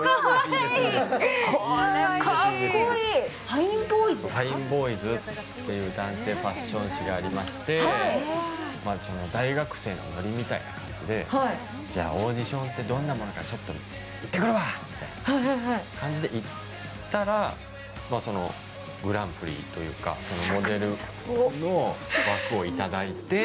「ファインボーイズ」って男性ファッション誌がありまして大学生のノリみたいな感じで、じゃあ、オーディションってどんな感じなのか行ってくるみたいな感じで行ってみたらグランプリというかモデルの枠をいただいて。